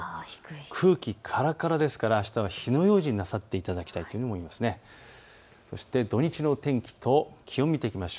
空気からからですからあしたは火の用心なさっていただきたいと思います。